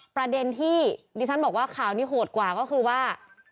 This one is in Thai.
ประเด็นที่ดิฉันบอกว่าข่าวนี้โหดกว่าก็คือว่า